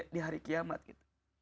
di hari kiamat gitu